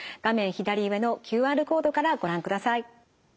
左上のＱＲコードからご覧ください。